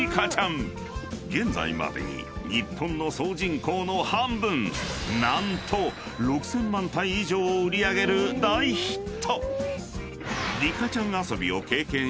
［現在までに日本の総人口の半分何と６，０００万体以上を売り上げる大ヒット！］